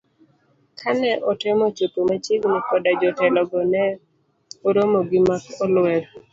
kane otemo chopo machiegni koda jotelo go ne oromo gi mak olwer.